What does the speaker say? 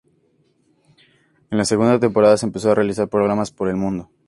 En la segunda temporada se empezó a realizar programas por el mundo.